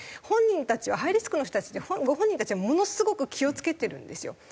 本人たちはハイリスクの人たちってご本人たちはものすごく気を付けてるんですよ。